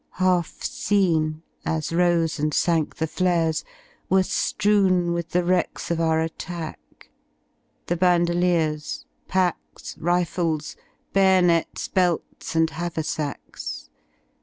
Half seen, as rose and sank the flares, were Ifrezvn With the wrecks of our attack: the bandoliers. Packs, rifles, bayonets, belts, and haversacks.